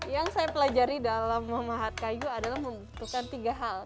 yang saya pelajari dalam memahat kayu adalah membutuhkan tiga hal